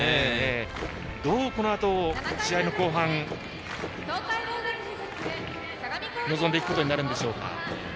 どう、このあと試合の後半臨んでいくことになるでしょうか。